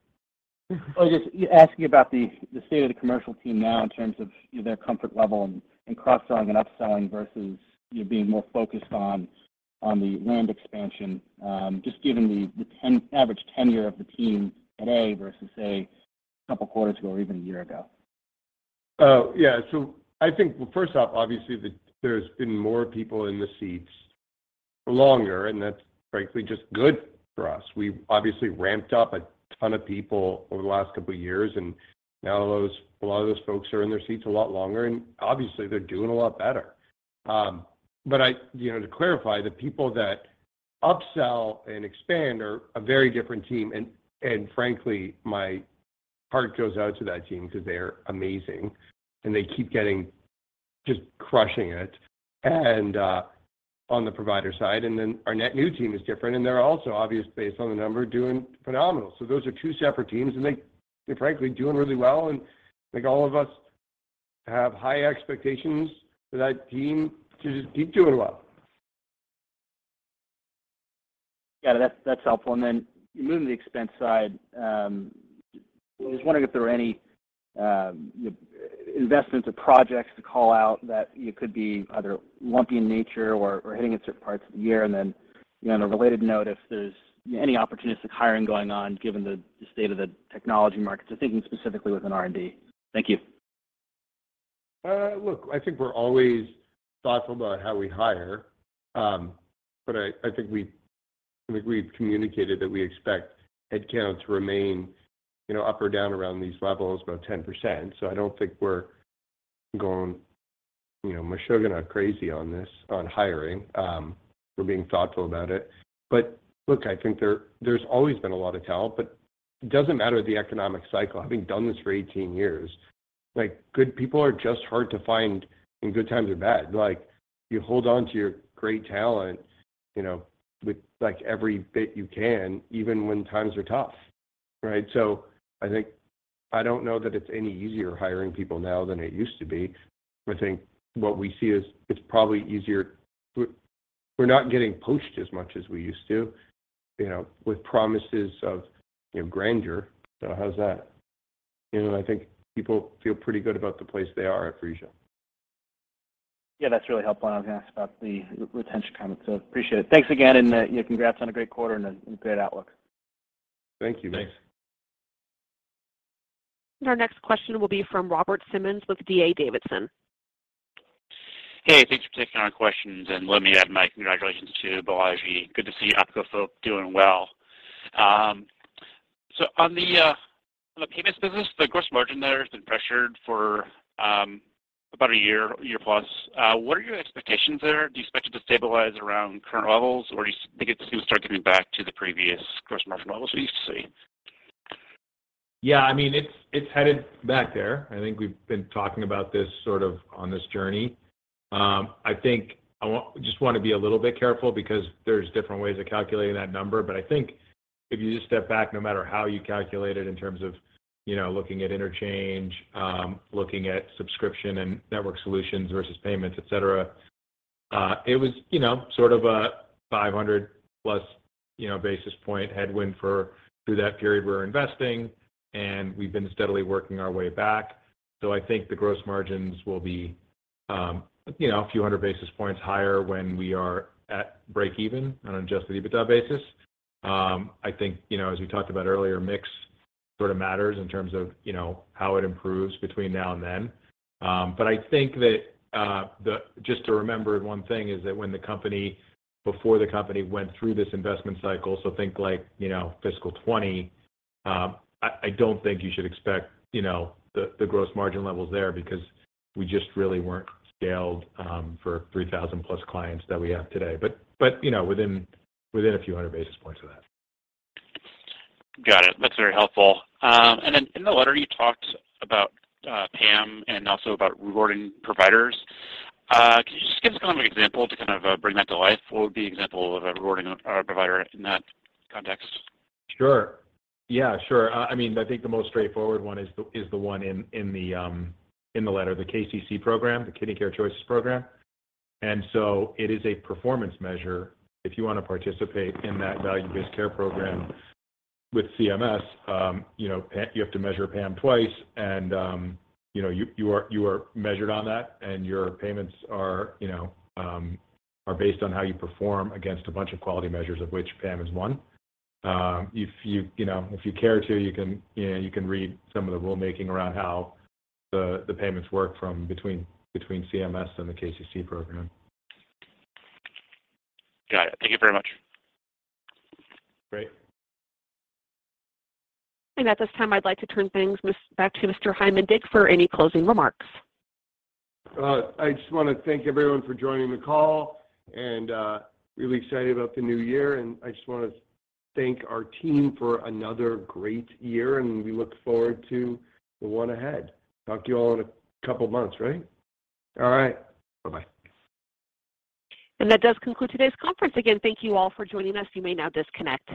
Just, yeah, asking about the state of the commercial team now in terms of, you know, their comfort level and cross-selling and upselling versus you being more focused on the land expansion, just given the average tenure of the team today versus, say, a couple quarters ago or even a year ago. Yeah. I think, well, first off, obviously, there's been more people in the seats longer, and that's frankly just good for us. We obviously ramped up a ton of people over the last couple of years, now a lot of those folks are in their seats a lot longer, and obviously, they're doing a lot better. I, you know, to clarify, the people that upsell and expand are a very different team. Frankly, my heart goes out to that team 'cause they're amazing and they keep getting just crushing it on the provider side. Our net new team is different, and they're also obviously, based on the number, doing phenomenal. Those are two separate teams, and they're frankly doing really well, and I think all of us have high expectations for that team to just keep doing well. Yeah, that's helpful. Moving to the expense side, just wondering if there were any investments or projects to call out that you could be either lumpy in nature or hitting at certain parts of the year. On a related note, if there's any opportunistic hiring going on given the state of the technology market. Thinking specifically within R&D. Thank you. Look, I think we're always thoughtful about how we hire. I think we've communicated that we expect headcount to remain, you know, up or down around these levels, about 10%. I don't think we're going, you know, meshuggeneh crazy on this, on hiring. We're being thoughtful about it. Look, I think there's always been a lot of talent, but it doesn't matter the economic cycle. Having done this for 18 years, like, good people are just hard to find in good times or bad. Like, you hold on to your great talent, you know, with, like, every bit you can, even when times are tough, right? I think I don't know that it's any easier hiring people now than it used to be, but I think what we see is it's probably easier. We're not getting poached as much as we used to, you know, with promises of, you know, grandeur. How's that? You know, I think people feel pretty good about the place they are at Phreesia. Yeah, that's really helpful. I was going to ask about the retention comment, appreciate it. Thanks again, you know, congrats on a great quarter and great outlook. Thank you. Thanks. Our next question will be from Robert Simmons with D.A. Davidson. Hey, thanks for taking our questions, and let me add my congratulations to Balaji. Good to see [Optum] folk doing well. On the payments business, the gross margin there has been pressured for about a year, a year plus. What are your expectations there? Do you expect it to stabilize around current levels, or do you think it's gonna start getting back to the previous gross margin levels we used to see? Yeah. I mean, it's headed back there. I think we've been talking about this sort of on this journey. I think just wanna be a little bit careful because there's different ways of calculating that number. I think if you just step back, no matter how you calculate it in terms of, you know, looking at interchange, looking at subscription and Network solutions versus payments, et cetera, it was, you know, sort of a 500-plus, you know, basis point headwind for through that period we were investing, and we've been steadily working our way back. I think the gross margins will be, you know, a few hundred basis points higher when we are at break even on an adjusted EBITDA basis. I think, you know, as we talked about earlier, mix sort of matters in terms of, you know, how it improves between now and then. I think that just to remember one thing is that when before the company went through this investment cycle, so think like, you know, fiscal 20, I don't think you should expect, you know, the gross margin levels there because we just really weren't scaled for 3,000 plus clients that we have today. You know, within a few hundred basis points of that. Got it. That's very helpful. In the letter you talked about PAM and also about rewarding providers. Can you just give us kind of an example to kind of bring that to life? What would be an example of a rewarding a provider in that context? Sure. Yeah, sure. I mean, I think the most straightforward one is the one in the letter, the KCC Model, the Kidney Care Choices Model. It is a performance measure. If you wanna participate in that value-based care program with CMS, you know, you have to measure PAM twice and, you know, you are measured on that, and your payments are, you know, are based on how you perform against a bunch of quality measures of which PAM is one. If you know, if you care to, you can, you know, you can read some of the rulemaking around how the payments work from between CMS and the KCC Model. Got it. Thank you very much. Great. At this time, I'd like to turn things back to Mr. Chaim Indig for any closing remarks. I just wanna thank everyone for joining the call. Really excited about the new year. I just wanna thank our team for another great year. We look forward to the one ahead. Talk to you all in a couple of months, right? All right. Bye-bye. That does conclude today's conference. Again, thank you all for joining us. You may now disconnect.